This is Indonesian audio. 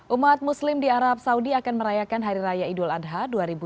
umat muslim di arab saudi akan merayakan hari raya idul adha dua ribu dua puluh